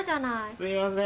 すいません！